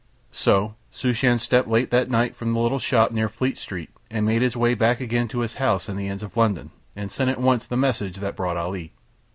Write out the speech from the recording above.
So Shooshan stepped late that night from the little shop near Fleet Street and made his way back again to his house in the ends of London and sent at once the message that brought Ali.